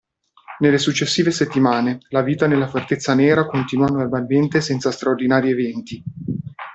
Nelle successive settimane, la vita nella Fortezza Nera continuò normalmente senza straordinari eventi.